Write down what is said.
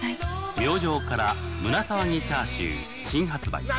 明星から胸さわぎチャーシュー新発売